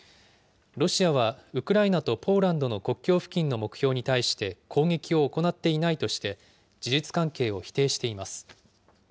ロシアはウクライナとポーランドの国境付近の目標に対して攻撃を行っていないとして、事実関係を否定しています。